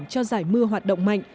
cho giải mưa hoạt động mạnh